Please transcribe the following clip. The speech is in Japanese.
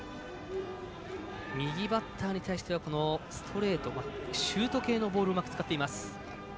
右バッターに対してはストレートシュート系のボールをうまく使っています。